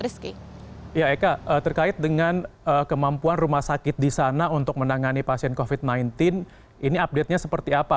rizky terkait dengan kemampuan rumah sakit di sana untuk menangani pasien covid sembilan belas ini update nya seperti apa